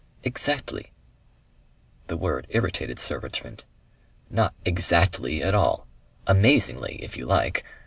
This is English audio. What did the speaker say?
"Exactly." The word irritated Sir Richmond. "Not 'exactly' at all. 'Amazingly,' if you like....